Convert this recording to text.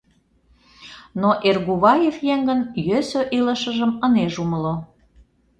Но Эргуваев еҥын йӧсӧ илышыжым ынеж умыло.